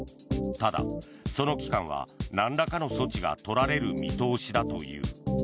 ただ、その期間はなんらかの措置が取られる見通しだという。